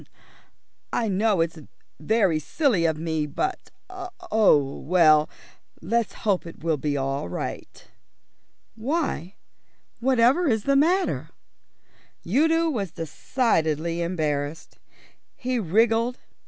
"I know it's very silly of me but oh, well, let's hope it will be all right." "Why, whatever is the matter?" Udo was decidedly embarrassed. He wriggled.